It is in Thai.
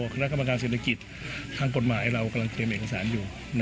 คณะกรรมการเศรษฐกิจทางกฎหมายเรากำลังเตรียมเอกสารอยู่